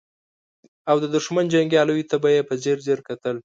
او د دښمن جنګياليو ته به يې په ځير ځير کتل.